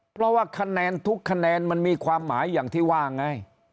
เพราะว่าคะแนนทุกคะแนนมันมีความหมายอย่างที่ว่าไง